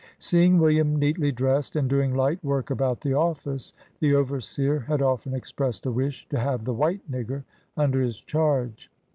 Seeing William neatly dressed and doing light work about the office, the overseer had often expressed a wish to have the "white nigger" under his charge.